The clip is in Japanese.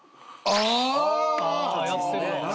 ああやってるわ。